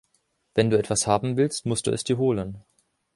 Wenn du etwas haben willst, musst du es dir holen.